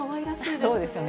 そうですよね。